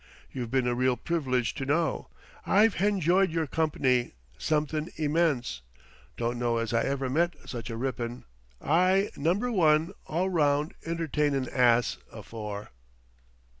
You've been a real privilege to know; I've henjoyed yer comp'ny somethin' immense. Don't know as I ever met such a rippin', Ay Number One, all round, entertynin' ass, afore!"